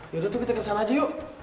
yaudah tuh kita kesana aja yuk